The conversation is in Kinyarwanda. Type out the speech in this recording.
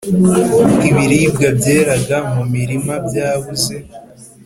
Ibiribwa byeraga mu mirima byabuze